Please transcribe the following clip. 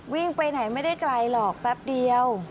วิ่งไปไหนไม่ได้ไกลหรอกแป๊บเดียว